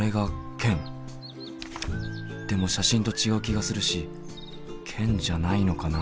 でも写真と違う気がするしケンじゃないのかな？